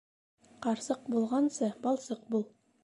Ҡарсыҡ булғансы, балсыҡ бул.